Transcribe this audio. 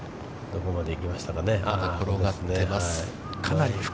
どこまで行きましたかね。